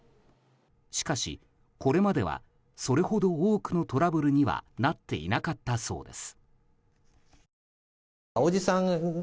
しかし、これまではそれほど多くのトラブルにはなっていなかったそうです。